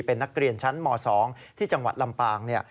เป็นนักเรียนชั้นม๒ที่จังหวัดลำปาง